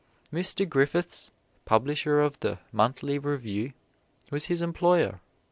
Mr. Griffiths, publisher of the "Monthly Review," was his employer.